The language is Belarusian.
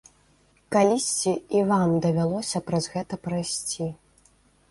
Калісьці і вам давялося праз гэта прайсці.